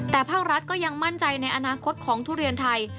แต่ภาครัฐก็ยังมั่นใจในอนาคตของทุเรียนไทย